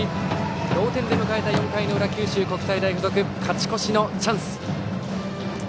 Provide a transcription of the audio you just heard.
同点で迎えた４回の裏九州国際大付属勝ち越しのチャンス。